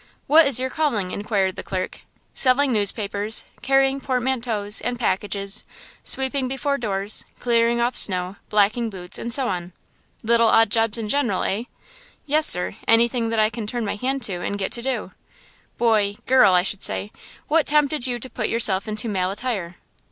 "What is your calling?" inquired the clerk. "Selling newspapers, carrying portmanteaus and packages, sweeping before doors, clearing off snow, blacking boots and so on." "Little odd jobs in general, eh?" "Yes, sir, anything that I can turn my hand to and get to do." "Boy–girl, I should say–what tempted you to put yourself into male attire?"